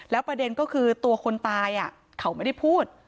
ประเด็นก็คือตัวคนตายเขาไม่ได้พูด